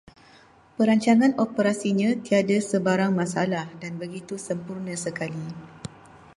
Perancangan operasinya tiada sebarang masalah dan begitu sempurna sekali